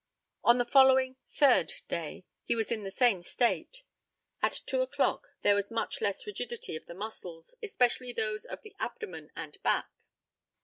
On the following (third) day he was in the same state. At two o'clock there was much less rigidity of the muscles, especially those of the abdomen and back.